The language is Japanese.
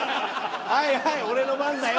「はいはい俺の番だよ」。